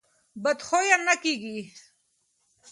بد خویه نه کېږي.